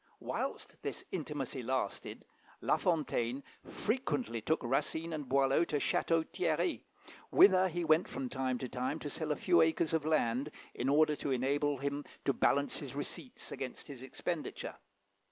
Whilst this intimacy lasted, La Fontaine frequently took Racine and Boileau to Château Thierry, whither he went from time to time to sell a few acres of land, in order to enable him to balance his receipts against his expenditure.